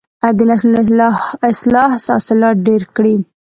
د نسلونو اصلاح حاصلات ډیر کړي.